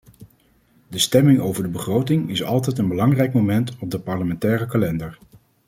De stemming over de begroting is altijd een belangrijk moment op de parlementaire kalender.